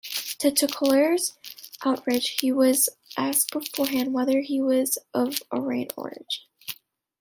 To Tolkien's outrage, he was asked beforehand whether he was of Aryan origin.